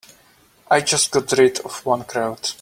I just got rid of one crowd.